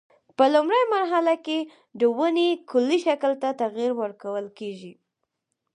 په لومړۍ مرحله کې د ونې کلي شکل ته تغییر ورکول کېږي.